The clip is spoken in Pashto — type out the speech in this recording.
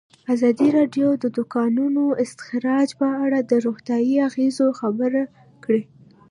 ازادي راډیو د د کانونو استخراج په اړه د روغتیایي اغېزو خبره کړې.